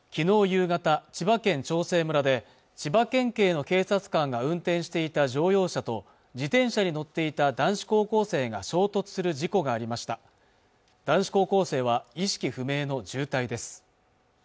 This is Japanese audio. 夕方千葉県長生村で千葉県警の警察官が運転していた乗用車と自転車に乗っていた男子高校生が衝突する事故がありました男子高校生は意識不明の重体です